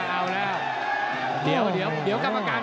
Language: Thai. เอาแล้วเดี๋ยวกรรมการ